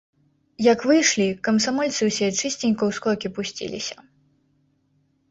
Як выйшлі, камсамольцы ўсе чысценька ў скокі пусціліся.